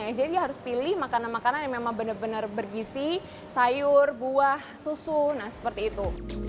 jadi dia harus pilih makanan makanan yang benar benar bergisi sayur buah susu nah seperti itu